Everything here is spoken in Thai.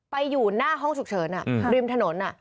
อยู่หน้าห้องฉุกเฉินริมถนน